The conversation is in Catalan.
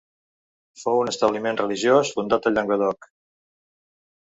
Fou un establiment religiós fundat al Llenguadoc.